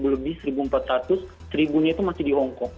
seribu lebih seribu empat ratus seribu nya itu masih di hongkong